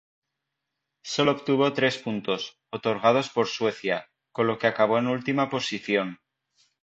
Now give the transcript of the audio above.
Solo obtuvo tres puntos, otorgados por Suecia, con los que acabó en última posición.